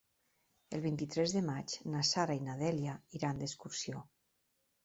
El vint-i-tres de maig na Sara i na Dèlia iran d'excursió.